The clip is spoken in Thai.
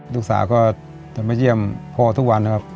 ลูกสาวก็จะมาเยี่ยมพ่อทุกวันนะครับ